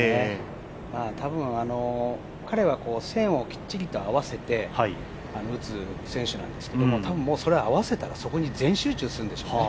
多分、彼は線をきっちりと合わせて打つ選手なんですけども多分、それは合わせたらそこに全集中するんでしょうね。